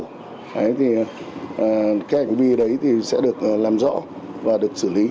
cái hành vi đấy thì sẽ được làm rõ và được xử lý